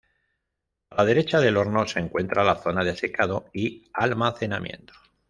A la derecha del horno se encuentra la zona de secado y almacenamiento.